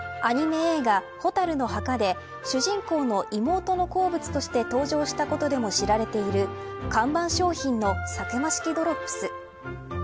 アニメ映画、火垂るの墓で主人公の妹の好物として登場したことでも知られている看板商品のサクマ式ドロップス。